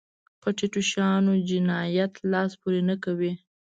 په ټيټو شیانو جنایت لاس پورې نه کوي.